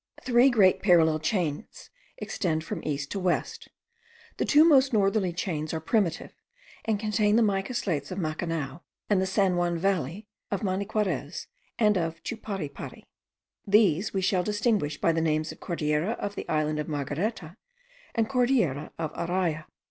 Three great parallel chains extend from east to west. The two most northerly chains are primitive, and contain the mica slates of Macanao, and the San Juan Valley, of Maniquarez, and of Chuparipari. These we shall distinguish by the names of Cordillera of the island of Margareta, and Cordillera of Araya.